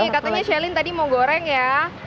katanya shelin tadi mau goreng ya